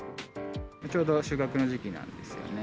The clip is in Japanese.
ちょうど収穫の時期なんですよね。